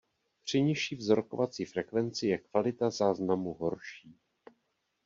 Při nižší vzorkovací frekvenci je kvalita záznamu horší.